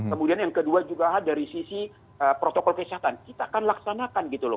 kemudian yang kedua juga dari sisi protokol kesehatan kita akan laksanakan gitu loh